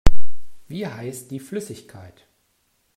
Wie heißt die Flüssigkeit?